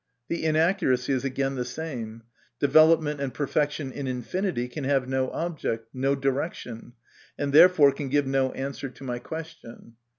The inaccuracy is again the same ; development and perfection in infinity can have no object, no direction, and therefore can give no answer to my question.